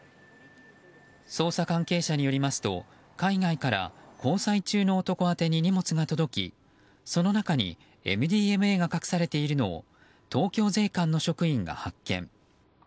捜査関係者によりますと海外から交際中の男宛てに荷物が届きその中にＭＤＭＡが隠されているのを東京税関の職員が発見。